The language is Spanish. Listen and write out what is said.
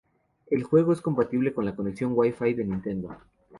El juego es compatible con la Conexión Wi-Fi de Nintendo.